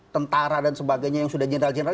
tentara dan sebagainya yang sudah general general